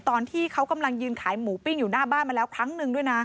ตอนที่เขากำลังยืนขายหมูปิ้งอยู่หน้าบ้านมาแล้วครั้งหนึ่งด้วยนะ